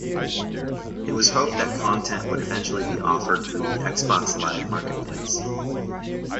It was hoped that content would eventually be offered through the Xbox Live Marketplace.